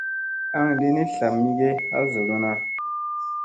Aŋ li ni zla mi ge ha solonaŋ.